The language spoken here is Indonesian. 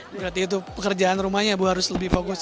berarti itu pekerjaan rumahnya bu harus lebih fokus